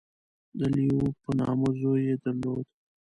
• د لیو په نامه زوی یې درلود.